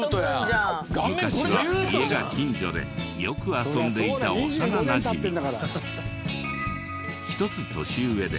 昔は家が近所でよく遊んでいた幼なじみ。